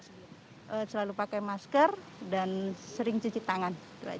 selalu pakai masker dan sering cuci tangan